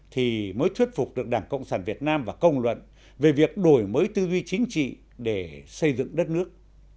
thì mới thuyết phục được đảng cộng sản việt nam và công luận về việc đổi mới tư duy chính trị để xây dựng đất nước